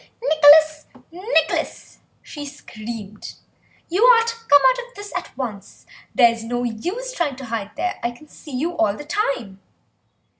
"Nicholas, Nicholas!" she screamed, "you are to come out of this at once. It's no use trying to hide there; I can see you all the time."